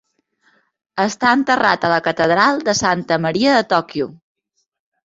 Està enterrat a la catedral de Santa Maria de Tòquio.